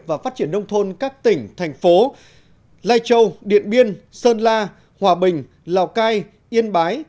và phát triển nông thôn các tỉnh thành phố lai châu điện biên sơn la hòa bình lào cai yên bái